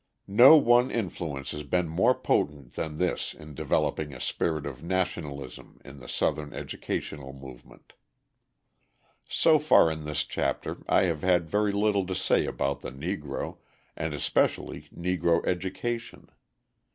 No one influence has been more potent than this in developing a spirit of nationalisation in the Southern educational movement. So far in this chapter I have had very little to say about the Negro, and especially Negro education.